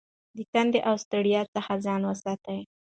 د تندې او ستړیا څخه ځان وساته.